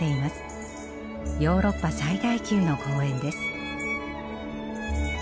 ヨーロッパ最大級の公園です。